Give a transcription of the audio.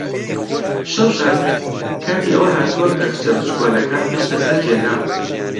شەو شاد! کاتی ئەوە هاتووە کە کچە بچکۆڵەکەکان بچنە سەر جێگا.